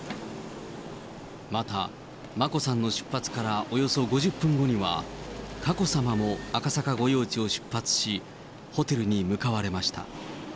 また、眞子さんの出発からおよそ５０分後には、佳子さまも赤坂御用地を出発し、ホテルに向かわれました。